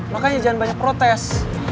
makanya jangan banyak protes